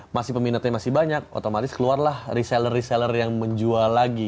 masih peminatnya masih banyak otomatis keluarlah reseller reseller yang menjual lagi